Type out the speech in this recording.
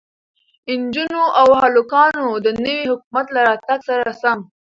نجونو او هلکانو د نوي حکومت له راتگ سره سم